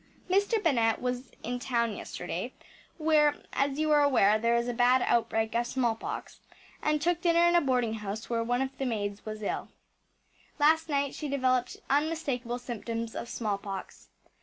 Mr. Bennett was in town yesterday where, as you are aware, there is a bad outbreak of smallpox and took dinner in a boarding house where one of the maids was ill. Last night she developed unmistakable symptoms of smallpox.